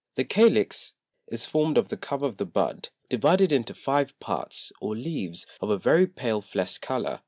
The Calix is formed of the Cover of the Bud, divided into five Parts, or Leaves, of a very pale flesh colour.